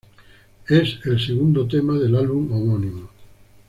Es el segundo tema del álbum homónimo.